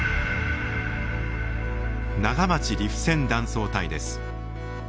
長町−利府線断層帯です。